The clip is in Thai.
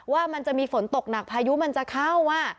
ว่ามันจะมีฝนตกหนักพายุมันจะเข้า